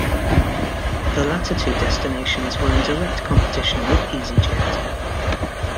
The latter two destinations were in direct competition with EasyJet.